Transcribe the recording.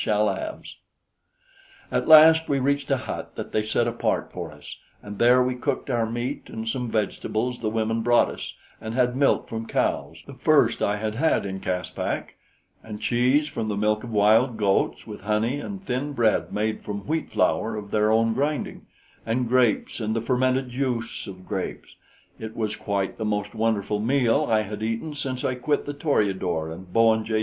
At last we reached a hut that they set apart for us, and there we cooked our meat and some vegetables the women brought us, and had milk from cows the first I had had in Caspak and cheese from the milk of wild goats, with honey and thin bread made from wheat flour of their own grinding, and grapes and the fermented juice of grapes. It was quite the most wonderful meal I had eaten since I quit the Toreador and Bowen J.